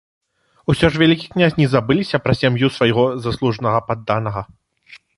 Усё ж вялікі князь не забыліся пра сям'ю свайго заслужанага падданага.